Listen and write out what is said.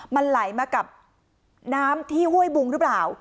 มันไหลมากับน้ำที่ห้วยบุงหรือเปล่า